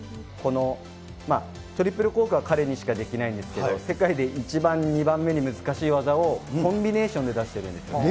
このトリプルコークは彼にしかできないんですけど、世界で１番、２番目に難しい技をコンビネーションで出してるんですよ。